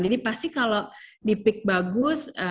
jadi pasti kalau di pick bagus